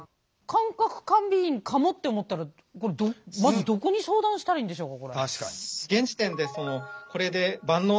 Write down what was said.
感覚過敏かもって思ったらまずどこに相談したらいいんでしょうか？